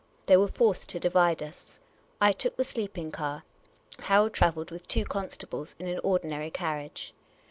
They were forced to divide us. I took the sleeping car ; Harold trav elled with two constables in an ordinary carriage.